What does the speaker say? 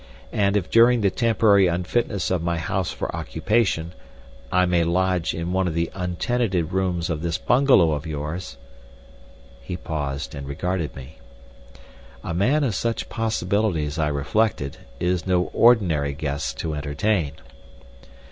And if during the temporary unfitness of my house for occupation, I may lodge in one of the untenanted rooms of this bungalow of yours—" He paused and regarded me. A man of such possibilities, I reflected, is no ordinary guest to entertain.